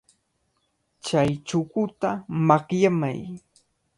Chay chukuta makyamay.